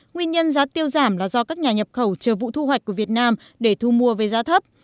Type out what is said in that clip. nguyên nhân giá tiêu giảm là do các nhà nhập khẩu chờ vụ thu hoạch của việt nam để thu mua với giá thấp